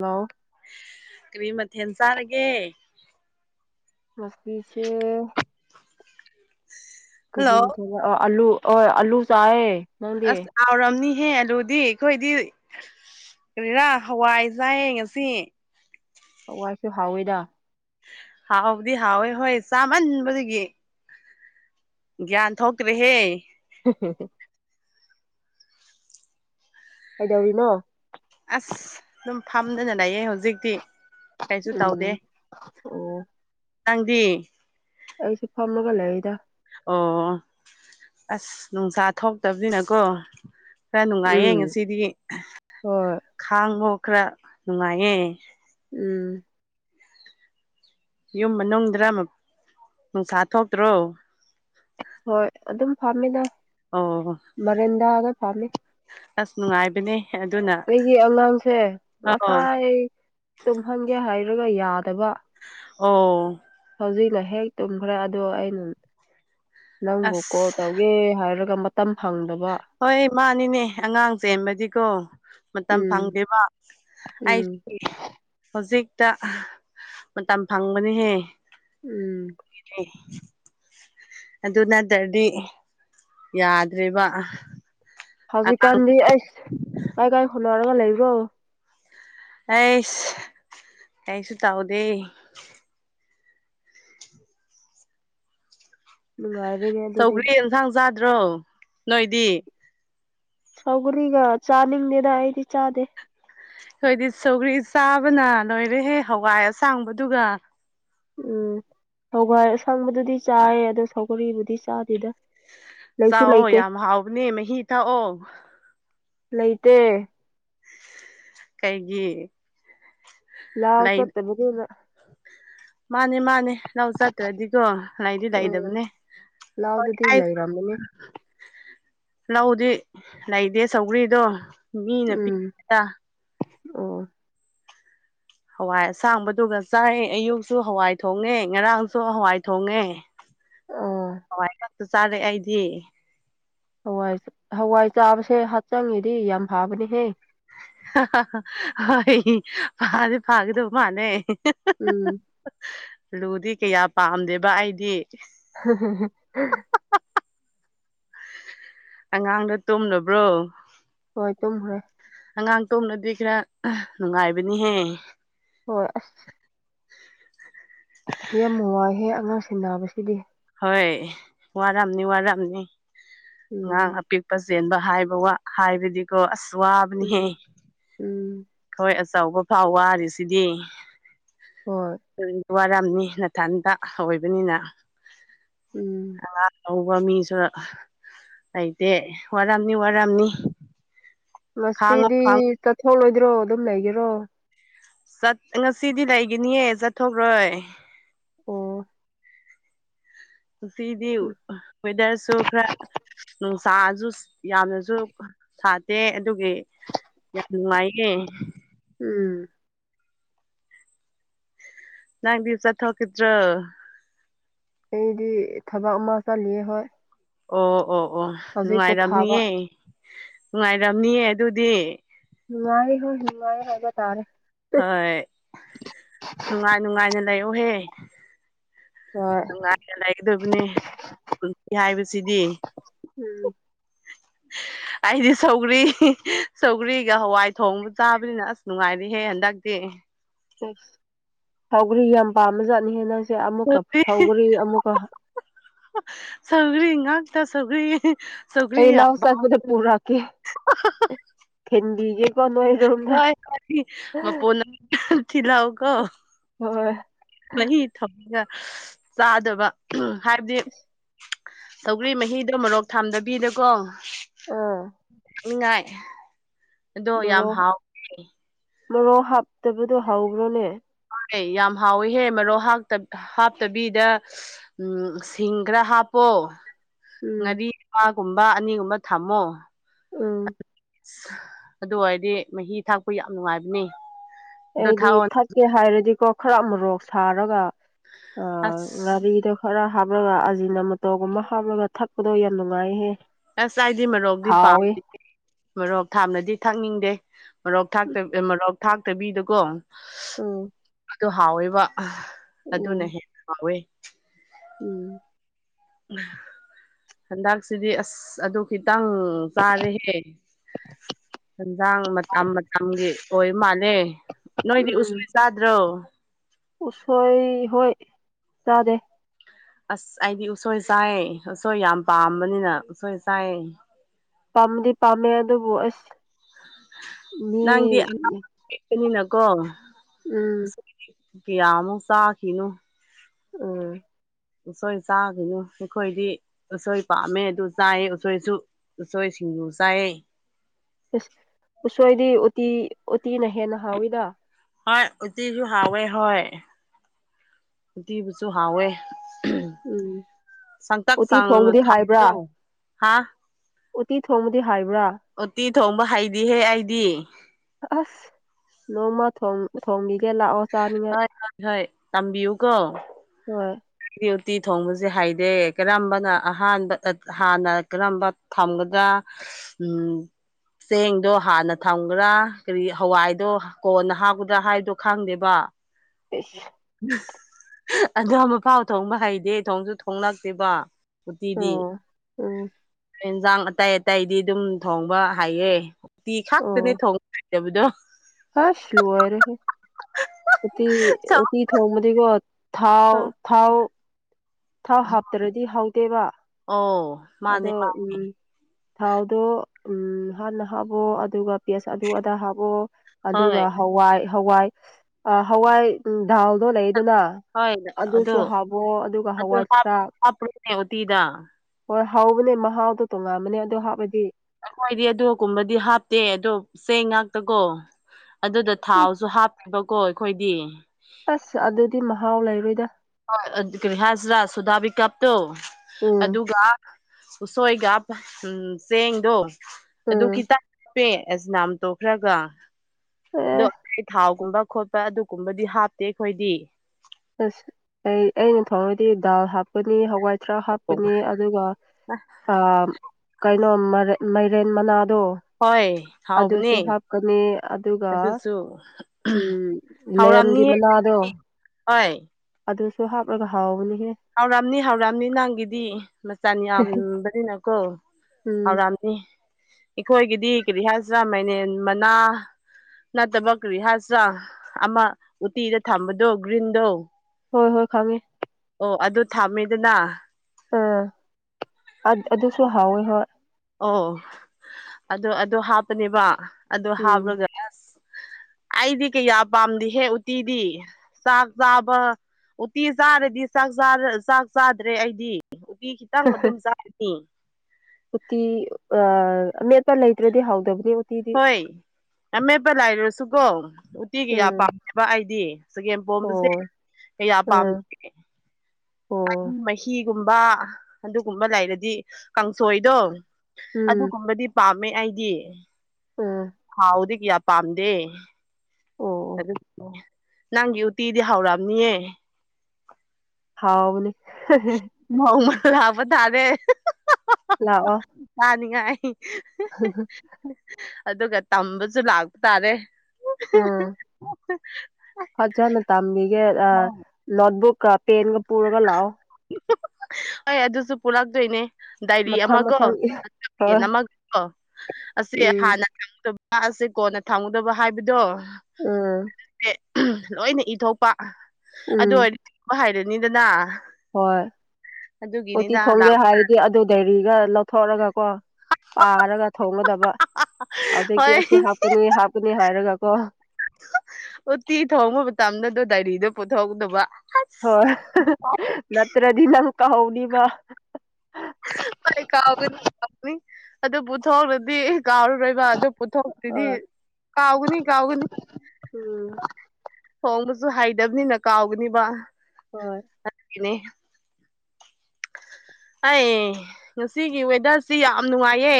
Hello ꯀꯕꯤ ꯃꯊꯦꯜ ꯆꯥꯔꯒꯦ ꯃꯁꯂꯤꯁꯦ ꯀꯔꯤ ꯍꯜꯂꯣ ꯊꯔ ꯑꯂꯨ ꯑꯣ ꯑꯜꯂꯨ ꯆꯑ ꯑꯁ ꯑꯥꯎꯔꯝꯅꯤ ꯍ ꯑꯂꯨꯗꯤ ꯑꯩꯈꯣꯏꯗꯤ ꯀꯔꯤꯔꯥ ꯍꯋꯥꯏ ꯆꯥꯏ ꯉꯁꯤ ꯑꯋꯥꯁꯨ ꯍꯥꯎꯋꯣꯏꯗ ꯍꯥꯎꯕꯗꯤ ꯍꯥꯎꯋꯦ ꯍꯣꯏ ꯆꯥꯃꯟꯕꯗꯒꯤ ꯒ꯭ꯟ ꯊꯇ꯭꯭ꯔꯔꯤ ꯍꯦ [unintelligible] ꯀꯩꯗꯧꯔꯤꯅꯣ ꯑꯁ ꯑꯗꯨꯝ ꯐꯝꯗꯅ ꯂꯩꯌꯦ ꯍꯧꯖꯤꯛꯇꯤ ꯀꯩꯁꯨ ꯇꯧꯗꯦ ꯎꯝ ꯑꯣ ꯅꯪꯗꯤ ꯑꯩꯁꯨ ꯐꯃꯒ ꯂꯩꯗ ꯑꯣ ꯑꯁ ꯅꯨꯡꯁꯥ ꯊꯣꯛꯇꯕꯅꯤꯅꯀꯣ ꯈꯔ ꯅꯨꯡꯉꯥꯏꯌꯦ ꯎꯝ ꯉꯁꯤꯗꯤ ꯍꯣꯏ ꯈꯥꯡꯕꯣ ꯈꯔ ꯅꯨꯡꯉꯥꯏꯌꯦ ꯎꯝ ꯌꯨꯝ ꯃꯅꯨꯡꯗ꯭ꯔ ꯅꯨꯡꯁꯥ ꯊꯣꯛꯇ꯭ꯔꯣ ꯍꯣꯏ ꯑꯗꯨꯝ ꯐꯥꯝꯃꯤꯅ ꯑꯣ ꯃꯔꯦꯟꯗꯥꯒ ꯐꯥꯝꯃꯤ ꯑꯁ ꯅꯨꯡꯉꯥꯏꯕꯅꯦ ꯑꯗꯨꯅ ꯑꯩꯒꯤ ꯑꯉꯥꯡꯁꯦ ꯑꯧ ꯉꯁꯥꯏ ꯑꯩ ꯇꯨꯝꯍꯟꯒꯦ ꯍꯥꯏꯔꯒ ꯌꯥꯗ ꯐꯠꯇꯕ ꯑꯣ ꯍꯧꯖꯤꯛꯅ ꯍꯦꯛ ꯇꯨꯝꯈ꯭ꯔꯦ ꯑꯗꯣ ꯑꯩꯅ ꯅꯪꯕꯨ ꯀꯣ ꯑꯁ ꯇꯒꯦ ꯍꯥꯏ꯭ꯔꯒ ꯃꯇ ꯍꯣꯏ ꯃꯥꯅꯤꯅꯦ ꯑꯉꯥꯡ ꯆꯦꯟꯕꯗꯤꯀꯣ ꯃꯇꯝ ꯎꯝ ꯐꯪꯗꯦꯕ ꯎꯝ ꯑꯩꯁꯦ ꯍꯧꯖꯤꯛꯇ ꯃꯇꯝ ꯐꯪꯕꯅꯤꯍꯦ [inaudible] ꯎꯝ ꯑꯗꯨꯅ ꯗꯗꯤ ꯌꯥꯗ꯭ꯦꯔꯤꯕ ꯍꯧꯖꯤꯛ ꯀꯥꯟꯗꯤ ꯑꯩꯁ ꯀꯥꯏ ꯀꯥꯏ ꯈꯅꯔꯀ ꯂꯩꯕ ꯑꯩꯁ ꯀꯩꯁꯨ ꯇꯥꯎꯗꯦ ꯅꯨꯡꯉꯥꯏ ꯇꯧꯈ꯭ꯔꯤ ꯌꯦꯟꯁꯥꯡ ꯆꯥꯗ꯭ꯔꯣ ꯅꯣꯏꯗꯤ ꯁꯧꯒꯔꯤꯒ ꯆꯥꯅꯤꯡꯗꯦꯗ ꯑꯩꯗꯤ ꯆꯥꯗꯦ ꯑꯩꯈꯣꯏꯗꯤ ꯁꯧꯒ꯭ꯔꯤ ꯆꯥꯕꯅ ꯂꯣꯏꯔꯦꯍꯦ ꯍꯋꯥꯏ ꯑꯁꯥꯡꯕꯗꯨꯒ ꯎꯝ ꯁꯒ ꯑꯁꯪꯕꯗꯨꯗꯤ ꯆꯥꯏ ꯑꯗꯣ ꯁꯧꯒꯣꯔꯤꯕꯕꯨꯗꯤ ꯆꯥꯗꯦꯗ ꯂꯩꯁꯨ ꯆꯥꯛꯑꯣ ꯂꯩꯇꯦ ꯌꯥꯝ ꯍꯥꯎꯕꯅꯦ ꯃꯍꯤ ꯊꯥꯛꯑꯣ ꯂꯩꯇꯦ ꯀꯩꯒꯤ ꯂꯑꯣ ꯂꯩ ꯁꯠꯇꯦ ꯒꯅ ꯃꯥꯅꯦ ꯃꯥꯅꯦ ꯂꯅꯥꯎ ꯆꯠꯇ꯭ꯔꯗꯤꯀꯣ ꯂꯥꯏꯗꯤ ꯎꯝ ꯂꯩꯗꯕꯅꯦ ꯂꯥꯎꯗꯗꯤ ꯍ ꯂꯩꯔꯝꯃꯅꯤ [unintelligible] ꯂꯧꯗꯤ ꯂꯩꯗꯦ ꯆꯧꯒ꯭ꯔꯤꯗꯣ ꯃꯤꯅ ꯄꯤꯒꯦꯗ ꯑꯝ ꯍꯋꯥꯏ ꯑꯁꯥꯡꯕꯗꯨꯒ ꯆꯥꯏ ꯑꯌꯨꯛꯁꯨ ꯍꯋꯥꯏ ꯊꯣꯡꯉꯦ ꯉꯔꯥꯡꯁꯨ ꯍꯋꯥꯏ ꯊꯣꯡꯉꯦ [inaudible] ꯍꯋꯥꯏꯛꯇ ꯆꯥꯔꯦ ꯑꯩꯗꯤ ꯍꯋꯥꯏ ꯍꯋꯥꯏ ꯆꯥꯕꯁꯦꯆꯪꯉꯤꯗꯤ ꯌꯥꯝ ꯐꯕꯅꯦꯍꯦ ꯍꯣꯏ ꯐꯥꯅꯤ ꯐꯥꯒꯗ ꯃꯥꯅꯦ ꯎꯝꯝ ꯑꯂꯨꯗꯤ ꯀꯌꯥ ꯄꯥꯝꯗꯦꯕ ꯑꯩꯗꯤ [unintelligible] ꯑꯉꯥꯡꯗ ꯇꯨꯝꯅꯕ꯭ꯔꯣ ꯍꯣꯏ ꯇꯨꯝꯈ꯭ꯔꯦ ꯑꯉꯥꯡ ꯇꯣꯝꯅꯗꯤ ꯈꯔ ꯅꯨꯡꯉꯥꯏꯕꯅꯤꯍꯦ ꯍꯣꯏ ꯗꯥꯕꯁꯤꯗꯤ ꯍꯣꯏ ꯋꯥꯔꯝꯅꯤ ꯋꯥꯔꯝꯅꯤ ꯑꯉꯥꯡ ꯎꯝ ꯑꯄꯤꯛꯄꯁꯨ ꯆꯦꯟꯕ ꯍꯥꯏꯕ ꯋꯥ ꯍꯥꯏꯕꯗꯤꯀꯣ ꯑꯁ ꯋꯥꯕꯅꯤꯍ ꯎꯝ ꯎꯝ ꯍꯣꯏ ꯑꯆꯧꯕ ꯐꯥꯎ ꯋꯥꯔꯤꯔꯤꯁꯤꯗꯤ ꯍꯣꯏ ꯋꯥꯔꯝꯅꯤ ꯅꯥꯊꯟꯗ ꯑꯣꯏꯕꯅꯤꯅ ꯎꯝ ꯑ ꯂꯧꯕ ꯃꯤꯁꯨ ꯂꯩꯇꯦ ꯋꯥꯔꯝꯅꯤ ꯋꯥꯔꯝꯅꯤ ꯈꯥꯡꯉꯣ ꯉꯁꯤꯗꯤ ꯈꯥꯡꯉꯣ ꯆꯠꯊꯣꯛꯂꯣꯏꯗ꯭ꯔꯣ ꯑꯗꯨꯝ ꯂꯩꯒꯦꯔꯣ ꯠ ꯉꯁꯤꯗꯤ ꯂꯩꯒꯤꯅꯤꯌꯦ ꯆꯠꯊꯣꯛꯈꯔꯣꯏ ꯑꯣ ꯁꯤꯗꯤ ꯎꯝ ꯋꯦꯗꯔꯁꯨ ꯈꯔ ꯅꯨꯡꯁꯥꯁꯨ ꯌꯥꯝꯅꯁꯨ ꯁꯥꯗꯦ ꯑꯗꯨꯒꯤ ꯌꯥꯝꯉꯥꯏꯅꯦ ꯎꯝ ꯅꯪ ꯁꯠ ꯍꯀꯗ꯭ꯔ ꯑꯩꯗꯤ ꯊꯕꯛ ꯑꯃꯥ ꯆꯥꯂꯤꯌꯦ ꯍꯣꯏ ꯑꯣ ꯑꯣ ꯑꯣ ꯍꯧꯖꯤꯛ ꯄꯣꯊꯥꯕ ꯅꯨꯡꯉꯥꯏꯔꯝꯅꯤꯌꯦ ꯅꯨꯡꯉꯥꯏꯔꯝꯅꯤꯌꯦ ꯑꯗꯨꯗꯤ ꯅꯨꯡꯃꯥꯏ ꯍ ꯅꯨꯡꯃꯥꯏ ꯍꯥꯏꯕ ꯇꯥꯔꯦ ꯍꯣꯏ ꯅꯨꯡꯉꯥꯏ ꯅꯨꯡꯉꯥꯏꯅ ꯂꯩꯔꯎꯍꯦ ꯍꯣꯏ ꯉꯥꯏꯅ ꯂꯩꯒꯗꯕꯅꯦ ꯄꯨꯟꯁꯤ ꯍꯥꯏꯕꯁꯤꯗꯤ ꯎꯝ [inaudible] ꯑꯩꯗꯤ ꯁꯧꯒ꯭ꯔꯤ ꯁꯧꯒ꯭ꯔꯤꯒ ꯍꯋꯥꯏ ꯊꯣꯡꯕ ꯆꯥꯕꯅꯤꯅ ꯑꯁ ꯅꯨꯡꯉꯥꯏꯔꯤꯍꯦ ꯍꯟꯗꯛꯇꯤ ꯁꯥꯎꯒ꯭ꯔꯤ ꯌꯥꯝ ꯄꯥꯝꯃ ꯆꯠꯅꯤ ꯍꯦ ꯅꯪꯁꯦ ꯑꯃꯨꯛꯀ ꯁꯧꯒ꯭ꯔꯤ ꯁꯥꯎꯒ꯭ꯔꯤ ꯑꯃꯨꯛꯀ ꯀꯍ ꯁꯒꯂꯤ ꯍ ꯉꯥꯛꯇꯥ ꯁꯂꯤ ꯁꯒꯔꯤ ꯑꯩ ꯌꯥ ꯂꯧ ꯆꯠꯄꯗ ꯄꯨꯔꯛꯀꯦ ꯊꯤꯟꯕꯤꯒꯦꯀꯣ ꯅꯣꯏꯔꯣꯝꯗ ꯍꯣꯏ ꯍ ꯃ ꯄꯣꯅꯥꯎ ꯀꯣ ꯍꯣꯏ ꯃꯍꯤ ꯊꯝꯃꯒ ꯆꯥꯗꯕ ꯍꯥꯏꯕꯗꯤ ꯇꯧꯒ꯭ꯔꯤ ꯃꯍꯤꯗꯣ ꯃꯣꯔꯣꯛ ꯊꯥꯝꯗꯕꯤꯗꯀꯣ ꯑꯥ ꯅꯤꯡꯉꯥꯏ ꯑꯗꯣ ꯌꯥꯝ ꯍꯥꯎꯋꯦ ꯃꯔꯣꯛ ꯍꯥꯞꯇꯕꯗꯨꯣ ꯍꯧꯧꯕ꯭ꯔꯣꯅꯦ ꯦ ꯌꯥꯝ ꯍꯥꯎꯋꯤꯍꯦ ꯃꯔꯣꯛ ꯍꯥꯞꯇꯕꯤꯗ ꯎꯝ ꯁꯤꯡ ꯈꯔ ꯍꯥꯞꯄꯣ ꯑꯣ ꯎꯝ ꯉꯥꯔꯤ ꯑꯃꯒꯨꯝꯕ ꯑꯅꯤꯒꯨꯝꯕ ꯊꯝꯃꯣ ꯑꯥ ꯑꯗꯨ ꯑꯣꯏꯔꯗꯤ ꯃꯍꯤ ꯊꯥꯛꯄ ꯌꯥꯝ ꯅꯨꯡꯉꯥꯏꯕꯅꯤ ꯑꯩꯗꯤ ꯊꯛꯀꯦ ꯍꯥꯏꯔꯗꯤꯀꯣ ꯈꯔ ꯃꯣꯔꯣꯛ ꯁꯥꯔꯒ ꯑ ꯑꯁ ꯉꯔꯤꯗ ꯈꯔ ꯍꯥꯞꯂꯒ ꯑꯖꯤꯅ ꯃꯇꯧꯒꯨꯝꯕ ꯍꯥꯞꯂꯒ ꯊꯛꯄꯗꯣ ꯌꯥꯝ ꯅꯨꯡꯉꯥꯏꯍꯦ ꯑꯁ ꯑꯩꯗꯤ ꯃꯔꯣꯛꯗꯤ ꯄꯥꯝ ꯍꯥꯎꯋꯦ ꯃꯔꯣꯛ ꯊꯥꯝꯅꯗꯤ ꯊꯛꯅꯤꯡꯗꯦ ꯃꯔꯣꯛ ꯊꯥꯛꯇ ꯃꯔꯣꯛ ꯊꯥꯛꯇꯕꯤꯗꯀꯣ ꯑ ꯑꯗꯨ ꯍꯥꯎꯋꯦꯕ ꯑꯗꯨꯅ ꯍꯦ ꯍꯥꯎꯋꯦ ꯎꯝ ꯎꯝ ꯍꯟꯗꯛꯁꯤꯗꯤ ꯑꯁ ꯑꯗꯨ ꯈꯤꯇꯪ ꯆꯥꯔꯦꯍꯦ ꯌꯦꯟꯖꯥꯡ ꯃꯇꯝ ꯃꯇꯝꯒꯤ ꯑꯣꯏ ꯃꯥꯜꯂꯦ ꯅꯣꯏꯗꯤ ꯎꯁ ꯎꯝ ꯆꯥꯗ꯭ꯔꯣ ꯎꯁꯣꯏ ꯍꯣꯏ ꯇꯗꯦ꯫ ꯑꯁ ꯑꯩꯗꯤ ꯎꯁꯣꯏ ꯆꯥꯏ ꯎꯁꯣꯏ ꯌꯥꯝ ꯄꯥꯝꯕꯅꯤꯅ ꯎꯁꯣꯏ ꯆꯥꯏ ꯄꯥꯝꯃꯗꯤ ꯄꯥꯝꯃꯦ ꯑꯗꯨꯕꯨ ꯑꯁ ꯃꯤ ꯀꯅꯤꯅꯀꯣ ꯎꯝ ꯀꯌꯥꯃ ꯁꯥꯈꯤꯅꯨ ꯎꯝ ꯎꯁꯣꯏ ꯆꯥꯒꯅꯨ ꯑꯩꯈꯣꯏꯗꯤ ꯎꯁꯣꯏ ꯄꯥꯝꯃꯦ ꯑꯗꯨ ꯆꯥꯏꯌꯦ ꯎꯁꯣꯏꯁꯨ ꯎꯁꯣꯏ ꯁꯤꯡꯖꯨ ꯆꯥꯏ ꯁ ꯎꯁꯣꯏꯗꯤ ꯎꯇꯤ ꯎꯇꯤꯅ ꯍꯦꯟꯅ ꯍꯥꯎꯋꯤꯗ ꯍꯣꯏ ꯎꯇꯤꯁꯨ ꯍꯥꯎꯋꯦ ꯍꯣꯏ ꯎꯇꯤꯕꯨꯁꯨ ꯍꯥꯎꯋꯦ ꯎꯝ ꯁꯥꯡꯇꯥꯛ ꯎꯇꯤ ꯆꯥꯡ ꯊꯣꯡꯕꯗꯤ ꯊꯥꯃꯤꯅꯣ ꯍꯥ ꯎꯤ ꯊꯣꯡꯝꯗ ꯎꯠꯇꯤ ꯊꯣꯡꯕ ꯍꯩꯗꯤꯍꯦ ꯑꯩꯗꯤ ꯑꯁ ꯅꯣꯡꯃ ꯊꯣꯡ ꯊꯣꯡꯉꯤ ꯍ ꯍꯣꯏ ꯍꯣꯏ ꯇꯝꯕꯤꯌꯨ ꯀꯣ ꯍꯣꯏ ꯎ ꯇꯤ ꯊꯣꯡꯕꯁꯦ ꯍꯩꯗꯦ ꯀꯔꯝꯕꯅ ꯑꯍꯥꯟꯕ ꯍꯥꯟꯅ ꯀꯔꯝꯕ ꯊꯝꯒꯗ꯭ꯔꯥ ꯎꯝ ꯆꯦꯡꯗꯣ ꯍꯥꯟꯅ ꯊꯝꯒ꯭ꯔꯥ ꯀꯔꯤ ꯍꯋꯥꯏꯗꯣ ꯀꯣꯟꯅ ꯍꯥꯞꯀꯗ꯭ꯔꯥ ꯍꯥꯏꯕꯗꯣ ꯈꯪꯗꯦ ꯋꯥ ꯑ ꯑꯣ ꯃꯐꯥꯎ ꯊꯣꯡꯕ ꯍꯩꯇꯦ ꯊꯣꯡꯁꯨ ꯊꯣꯡꯂꯛꯇꯦꯕ ꯄꯇꯤꯗꯤ ꯑꯣ ꯎꯝ ꯏꯟꯁꯥꯡ ꯑꯇꯥꯏ ꯑꯇꯇꯩꯗꯤ ꯑꯗꯨꯝ ꯊꯣꯡꯕ ꯍꯥꯏꯑꯦ ꯎꯇꯤ ꯈꯥꯛꯇꯅꯦ ꯊꯣꯡꯕ ꯍꯥꯏꯇꯕꯗꯣ ꯍꯁ ꯂꯨꯔ ꯎ ꯇ ꯊꯣꯡꯃꯗꯤꯒꯣ ꯊꯥꯎ ꯊꯥꯎ ꯊꯥꯎ ꯍꯥꯞꯇ꯭ꯔꯗꯤ ꯍꯧꯗꯦꯕ ꯑꯣ ꯃꯥꯅꯦ ꯑꯗꯣ ꯎꯝ ꯊꯥꯎꯗꯨ ꯎꯝ ꯍꯥꯟꯅ ꯍꯥꯞꯄꯣ ꯑꯗꯨꯒ ꯄꯦꯁ ꯑꯗꯨ ꯑꯗꯥ ꯍꯥꯞꯄꯣ ꯑꯗꯨꯒ ꯍꯣꯏ ꯍꯋꯥꯏ ꯍꯋꯥꯏ ꯍꯋꯥꯏ ꯗꯥꯜꯗꯣ ꯂꯩꯗꯅ ꯍꯣꯏ ꯑꯗꯨꯁꯨ ꯑꯗꯨ ꯍꯥꯞꯄꯣ ꯑꯗꯨꯒ ꯑꯗꯨ ꯍꯋꯥꯏ ꯍꯥ ꯊ꯭ꯔꯥꯛ ꯍꯥꯄꯅꯦ ꯑꯣ ꯇꯗ ꯍꯣꯏ ꯍꯥꯎꯕꯅꯦ ꯃꯍꯥꯎꯗꯣ ꯇꯣꯡꯉꯥꯥꯟꯕꯅꯦ ꯑꯗꯣ ꯍꯥꯏꯕꯗꯤ ꯑꯩꯈꯣꯏꯗꯤ ꯑꯗꯨ ꯀꯨꯝꯕꯗꯤ ꯍꯥꯞꯇꯦ ꯑꯗꯣ ꯆꯦꯡ ꯉꯥꯛꯇꯀꯣ ꯑꯗꯨꯗ ꯎꯝ ꯊꯥꯎꯁꯨ ꯍꯥꯞꯄꯤꯦꯕꯀꯣ ꯑꯩꯈꯣꯏꯗꯤ ꯑꯁ ꯑꯗꯨꯗꯤ ꯃꯍꯥꯎ ꯂꯩꯔꯣꯏ ꯍ ꯑꯗꯨ ꯀꯔꯤ ꯍꯥꯏꯖꯔꯥ ꯁꯨꯗꯥꯥꯕꯤ ꯀꯥꯞꯇꯧ ꯎꯝ ꯑꯗꯨꯒ ꯎꯁꯣꯏꯒ ꯎ ꯆꯦꯡꯗꯣ ꯑꯗꯨ ꯎꯝ ꯈꯤꯇꯪ ꯄꯦ ꯑꯦꯁꯅꯥꯝ ꯇꯣꯛꯈ꯭ꯔꯒ ꯑꯗꯣ ꯑꯦ ꯑꯩ ꯊꯥꯎ ꯀꯨꯝꯕ ꯈꯣꯠꯄ ꯑꯗꯨꯒꯨꯝꯕꯗꯤ ꯍꯥꯞꯇꯦ ꯑꯩꯈꯣꯏꯗꯤ ꯑꯁ ꯑꯩ ꯑꯩꯅ ꯊꯣꯡꯉꯗꯤ ꯗꯥꯜ ꯍꯥꯞꯀꯅꯤ ꯍꯋꯥꯏ ꯊꯔ ꯍꯥꯞꯀꯅꯤ ꯑꯗꯨꯒ ꯑ ꯀꯩꯅꯣ ꯃꯥꯏꯔꯦꯟ ꯃꯅꯥ ꯑꯗꯣ ꯍꯣꯏ ꯍꯥꯎꯕꯅꯦ ꯑꯗꯨꯁꯨꯦ ꯍꯥꯞꯀꯅꯤ ꯑꯗꯨꯒ ꯑꯗꯨꯁꯨ ꯎꯝ ꯂꯦꯝꯒꯤ ꯃꯅꯥꯗꯣ ꯍ ꯑꯗꯨꯁꯨ ꯍꯥꯞꯂꯒ ꯍꯥꯎꯕꯅꯦ ꯍꯥꯎꯔꯥꯝꯅꯤ ꯍꯥꯎꯔꯥꯝꯅꯤ ꯅꯍꯪꯒꯤꯗꯤ ꯃꯆꯆꯥ ꯌꯥꯝꯕꯅꯤꯅꯀꯣ ꯎꯝ ꯍꯔꯝꯅꯤ ꯑꯩꯈꯣꯏꯒꯤꯗꯤ ꯀꯔꯤ ꯍꯥꯏꯁꯤ꯭ꯔꯥ ꯃꯥꯏꯅꯦꯟ ꯃꯅꯥ ꯅꯠꯇꯕ ꯀꯔꯤꯍꯥꯁꯥ ꯑꯃ ꯎꯇꯤꯗ ꯊꯝꯕꯗꯣ ꯒ꯭ꯔꯤꯟꯗꯣ ꯍꯣꯏ ꯍꯣꯏ ꯈꯥꯡꯉꯦ ꯑꯣ ꯑꯗꯨ ꯊꯝꯃꯦꯗꯅ ꯎꯝ ꯑ ꯑꯗꯨ ꯑꯗꯨꯁꯨ ꯍꯥꯎꯣꯏ ꯍꯣꯏ ꯑꯣ ꯑꯗꯨꯣ ꯑꯗꯨ ꯍꯥꯞꯄꯅꯦꯕ ꯑꯗꯨ ꯎꯝ ꯍꯥꯞꯄꯨꯔꯒ ꯑ ꯑꯩꯗꯤ ꯀꯌꯥ ꯄꯥꯝꯗꯦꯍꯦ ꯎꯇꯤꯗꯤ ꯆꯥꯛ ꯆꯥꯕ ꯎꯇꯤ ꯆꯥꯔꯗꯤ ꯆꯥꯛ ꯆꯥꯗ꯭ꯔꯦ ꯑꯩꯗꯤ ꯎꯇꯤ ꯈꯤꯇꯪ ꯑꯗꯨꯝ ꯆꯥꯔꯅꯤ ꯎꯇꯤ ꯑ ꯑꯃꯦꯠꯄ ꯂꯩꯇ꯭ꯔꯗꯤ ꯍꯥꯎꯗꯕ ꯍꯣꯏ ꯑꯃꯃꯦꯕ ꯂꯥꯏꯔꯁꯨꯀꯣ ꯎꯇꯤ ꯀꯌꯥ ꯎꯝ ꯄꯥꯝꯃꯦꯕ ꯑꯩꯗꯤ ꯆꯒꯦꯝ ꯄꯣꯝꯕꯁꯦ ꯑꯣ ꯀꯌꯥ ꯎꯝ ꯄꯥꯝꯗꯦ ꯑꯣ ꯃꯍꯤꯒꯨꯝꯕ ꯑꯗꯨꯒꯨꯝꯕ ꯂꯩꯔꯗꯤ ꯀꯥꯡꯁꯣꯏꯗꯣ ꯎꯝ ꯑꯗꯨꯒꯨꯝꯕꯗꯤ ꯄꯥꯝꯃꯦ ꯑꯩꯗꯤ ꯎꯝ ꯍꯥꯥꯎ ꯎꯗꯤ ꯀꯌꯥ ꯄꯥꯝꯗ ꯑꯣ ꯑꯗꯨ ꯅꯪꯒꯤ ꯎꯇꯤꯗꯤ ꯍꯥꯎꯔꯑꯝꯅꯤꯌꯦ ꯍꯥꯎꯕ ꯃꯍꯥꯎ ꯃ ꯂꯕ ꯊꯥꯗꯦ ꯂꯑꯣ ꯅꯤꯡ ꯑꯗꯨꯒ ꯇꯝꯕꯁꯨ ꯂꯥꯛꯄ ꯇꯥꯔꯦ ꯎꯝ ꯍꯖꯅ ꯇꯝꯒ ꯑ ꯍꯣꯏ ꯅꯠꯕꯨꯛ ꯀ ꯄꯦꯟꯒ ꯄꯨꯔꯒ ꯂꯥꯛꯑꯣ ꯍꯣꯏ ꯑꯗꯨꯁꯨ ꯄꯨꯔꯛꯇꯣꯏꯅꯦ ꯗꯥꯏꯔꯤ ꯃꯊꯪ ꯑꯃꯒꯣ ꯃꯊꯪ ꯏ- ꯍꯣꯏ ꯑꯃꯒꯣ ꯑꯁꯤ ꯎꯝ ꯍꯥꯟꯅ ꯈꯪꯗꯕ ꯂꯥꯛꯑꯁ ꯀꯣꯟꯅ ꯊꯝꯃꯨꯗꯕ ꯍꯥꯏꯕꯗꯣ ꯎꯝ ꯂꯣꯏꯅ ꯏꯊꯣꯛꯄ ꯑꯗꯨ ꯎꯝ ꯑꯣꯏꯔꯗꯤꯕ ꯍꯥꯏꯩꯔꯅꯤꯗꯅ ꯍꯣꯏ ꯎꯇꯤ ꯊꯣꯡꯒꯦ ꯂꯥꯛꯄ ꯍꯥꯏꯔꯗꯤ ꯑꯗꯨ ꯗꯦꯔꯤꯒ ꯂꯧꯊꯣꯛꯑꯒ ꯀꯣ ꯄꯥꯔꯒ ꯊꯣꯡꯅꯗꯕ ꯍꯧꯖꯤꯛꯀꯤ ꯍꯣꯏ ꯑꯁꯤ ꯍꯥꯞꯄꯅꯤ ꯍꯥꯞꯄꯅꯤ ꯍꯥꯏꯔꯒ ꯀꯣ ꯎꯇꯤ ꯊꯣꯡꯕ ꯃꯇꯝꯗꯗꯣ ꯗꯥꯏꯔꯤꯗꯣ ꯄꯨꯊꯣꯛꯗꯕ ꯑꯁ ꯍꯣꯏ ꯅꯠꯇ꯭ꯔꯗꯤ ꯅꯪ ꯀꯥꯍꯧꯅꯤꯕ ꯀꯥꯎꯒꯅꯤ ꯀꯥꯎꯅꯤ ꯑꯗꯨꯕꯨꯊꯥꯎꯔꯗꯤ ꯀꯥꯎꯔꯨꯔꯣꯏꯕ ꯑꯗꯨ ꯄꯣꯊꯣꯛꯁꯤꯗꯤ ꯍꯣꯏ ꯀꯥꯎꯒꯅꯤ ꯀꯥꯎꯒꯅꯤ ꯎꯝ ꯍꯣꯡꯕꯁꯨ ꯍꯥꯏꯩꯗꯕꯅꯤꯅ ꯀꯥꯎꯒꯅꯤꯕ ꯍꯣꯏ ꯏꯅꯦ ꯑꯩ ꯉꯁꯤꯒꯤ ꯋꯦꯗꯔꯁꯤ ꯌꯥꯝ ꯅꯨꯡꯉꯥꯏꯌꯦ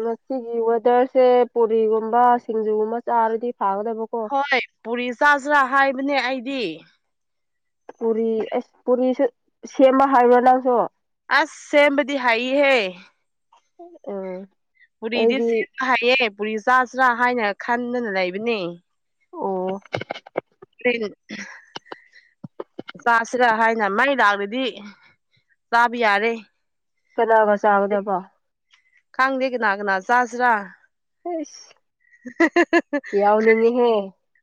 ꯉꯁꯤꯒꯤ ꯋꯦꯗꯔꯁꯦ ꯄꯨꯔꯤꯒꯨꯝꯕ ꯁꯤꯡꯖꯨꯒꯨꯝꯕ ꯆꯥꯔꯗꯤ ꯐꯥꯒꯗꯕꯀꯣ ꯍꯣꯏ ꯄꯨꯔꯤ ꯆꯥꯁꯤ꯭ꯔꯥ ꯍꯥꯏꯕꯅꯦ ꯑꯩꯗꯤ ꯄꯨꯔꯤ ꯑꯁ ꯄꯨꯔꯤꯁꯨ ꯁꯦꯝꯕ ꯍꯥꯏꯕ꯭ꯔꯣ ꯅꯪꯁꯨ ꯑꯁ ꯁꯦꯝꯕꯗꯤ ꯍꯥꯏꯏꯍꯦ ꯎꯝ ꯄꯨꯔꯤꯗꯤ ꯑꯩꯗꯤ ꯆ ꯍꯥꯏꯌꯦ ꯄꯨꯔꯤ ꯆꯥꯁꯤ꯭ꯔꯥ ꯍꯥꯏꯅ ꯈꯟꯗꯅ ꯂꯩꯕꯅꯦ ꯑꯣ ꯑꯗꯨ ꯆꯥꯁꯤꯔ ꯍꯥꯏꯅ ꯃꯥꯏ ꯂꯥꯛꯂꯗꯤ ꯆꯥꯕ ꯌꯥꯔꯦ ꯀꯗꯥ ꯀ ꯆꯥꯒꯗ ꯄꯥꯎ ꯀꯥꯡꯪꯗ ꯀꯅꯥꯒꯅꯥ ꯆꯥꯁ꯭ꯔꯥ ꯑꯁ [unintelligible] ꯌꯥꯎꯅꯤꯡꯉꯤꯍꯦ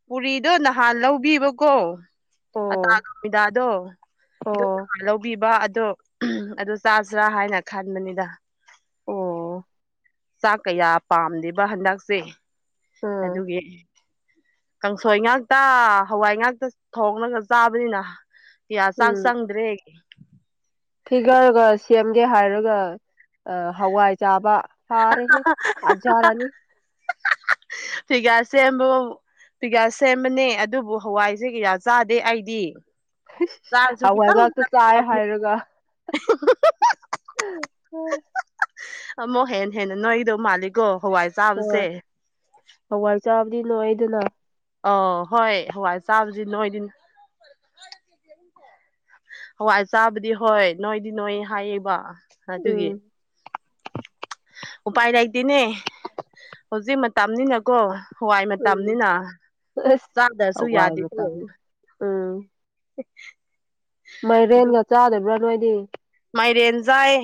ꯄꯨꯔꯤꯗꯣ ꯅꯍꯥꯟ ꯂꯧꯕꯤꯕꯀꯣ ꯑꯣ ꯑꯇꯥꯒꯃꯤꯗꯥꯗꯣ ꯑꯣ ꯑ ꯂꯧꯕꯤꯕ ꯑꯗꯣ ꯑꯗꯨ ꯆꯥꯁꯤ꯭ꯔꯥ ꯍꯥꯏꯅ ꯈꯟꯕꯅꯤꯗ ꯑꯣ ꯆꯥꯛ ꯀꯌꯥ ꯄꯥꯝꯗꯦꯕ ꯍꯟꯗꯛꯁꯦ ꯎꯝ ꯑꯗꯨꯒꯤ ꯀꯥꯡꯁꯣꯏ ꯉꯥꯛꯇ ꯍꯋꯥꯏ ꯉꯥꯛꯇ ꯊꯣꯡꯉꯒ ꯆꯥꯕꯅꯤꯅ ꯤ ꯁꯥꯒ ꯎꯝ ꯁꯪꯗ꯭ꯔꯦ ꯍ ꯐꯤꯒꯔꯒ ꯁꯦꯝꯒꯦ ꯍꯥꯏꯔꯒ ꯑ ꯍꯋꯥꯖꯥꯕ ꯍꯥꯥꯔꯦ ꯑꯖꯔꯅꯤ ꯐꯤꯒꯁꯦ ꯌꯥꯝꯕ ꯄꯤꯀꯥ ꯁꯦꯝꯕꯅꯦ ꯑꯗꯨꯕꯨ ꯍꯋꯥꯏꯁꯦ ꯀꯩꯌꯥ ꯆꯥꯗꯦ ꯑꯩꯗꯤ ꯆꯥꯔꯁꯨ ꯈꯤꯇꯪ ꯍꯋꯥꯏꯒꯥꯛꯇ ꯆꯥꯏ ꯈꯤꯇꯪ ꯍꯥꯏꯔꯒ ꯎꯝ ꯑꯃꯛ ꯍꯦ ꯍꯦꯟꯅ ꯅꯣꯏꯗꯧ ꯃꯥꯜꯂꯤꯀꯣ ꯍꯋꯥꯏ ꯆꯥꯕꯁꯦ ꯆꯥꯂꯤ ꯅꯣꯏꯗꯅꯥ ꯑ ꯍꯣꯏ ꯍꯋꯥꯏ ꯆꯥꯕꯁꯤ ꯅꯣꯏꯗꯤ ꯍꯋꯥꯏ ꯆꯥꯕꯗꯤ ꯍꯣꯏ ꯅꯣꯏꯗꯤ ꯅꯣꯏ ꯍꯥꯏꯌꯦꯕ ꯑꯗꯨꯒꯤ ꯎꯝ ꯎꯥꯏꯔꯗꯅꯦ ꯍꯧꯖꯤꯛ ꯃꯇꯝꯅꯤꯅꯀꯣ ꯍꯋꯥꯏ ꯎꯝ ꯃꯇꯝꯅꯤꯅ ꯆꯥꯗ꯭ꯔꯁꯨ ꯌꯥꯗꯦꯗꯦ ꯑꯥ [inaudible] ꯃꯥꯏꯔꯦꯟꯒ ꯆꯥꯗꯕ꯭ꯔꯥ ꯅꯣꯏꯗꯤ ꯃꯥꯏꯔꯦꯟꯖꯥꯏ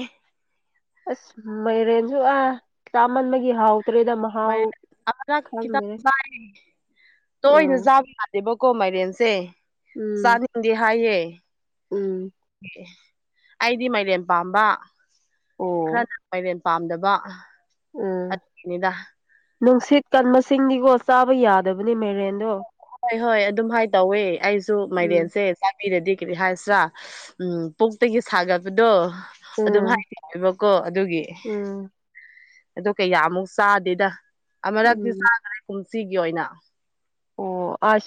ꯑꯁ ꯃꯥꯏꯔꯦꯟꯁꯨ ꯑꯥ ꯆꯥꯃꯟꯕꯒꯤ ꯍꯥꯎ ꯑ ꯈꯤꯇꯪ ꯆꯥꯏ ꯇꯣꯏꯅ ꯎꯝ ꯆꯥꯕ ꯌꯥꯗꯦꯕ ꯀꯣ ꯃꯥꯏꯔꯦꯟꯁꯦ ꯎꯝ ꯆꯥꯅꯤꯡꯗꯤ ꯍꯥꯏꯌꯦ ꯎꯝ ꯑꯩꯗꯤ ꯃꯥꯏꯔꯦꯝ ꯄꯥꯝꯕ ꯑꯣ ꯈꯔꯅ ꯃꯥꯏꯔꯦꯝ ꯄꯥꯝꯗꯕ ꯎꯝ ꯅꯤꯗ ꯅꯨꯡꯁꯤꯠ ꯀꯟ ꯃꯁꯤꯡ ꯃꯁꯤꯡꯀꯣ ꯆꯥꯕ ꯌꯥꯗꯕꯅꯤ ꯃꯦꯔꯦꯟꯗꯣ ꯍꯣꯏ ꯍꯣꯏ ꯑꯗꯨꯝ ꯍꯥꯏ ꯇꯧꯋꯦ ꯑꯩꯁꯨ ꯎꯝ ꯃꯥꯏꯔꯦꯟꯁꯦ ꯄꯤꯔꯗꯤ ꯀꯔꯤ ꯍꯥꯏꯁꯤ꯭ꯔꯥ ꯎꯝ ꯄꯣꯛꯇꯒꯤ ꯁꯥꯒꯠꯄꯗꯣ ꯎꯝ ꯑꯗꯨꯕꯀꯣ ꯑꯗꯨꯒꯤ ꯎꯝ ꯑꯗꯣ ꯀꯌꯥꯃꯨꯛ ꯆꯥꯗꯦꯗ ꯑꯃꯨꯔꯛꯇꯤ ꯎꯝ ꯆꯥꯈ꯭ꯔꯦ ꯀꯨꯝꯁꯤꯒꯤ ꯑꯣꯏꯅ ꯑꯣ ꯑ